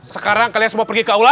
sekarang kalian semua pergi ke aula